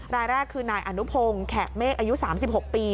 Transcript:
รายแรกคือนายอนุพงศ์แขกเมฆอายุ๓๖ปี